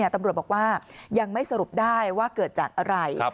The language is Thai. ตำรวจบอกว่ายังไม่สรุปได้ว่าเกิดจากอะไร